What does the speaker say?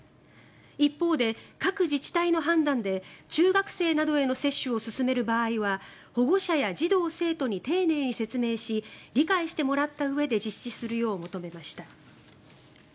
一方で各自治体の判断で中学生などへの接種を進める場合は保護者や児童・生徒に丁寧に説明し理解してもらったうえで実施するよう求めました。